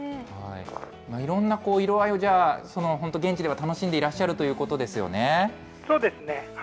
いろんな色合いを本当、現地では楽しんでいらっしゃるということですよね？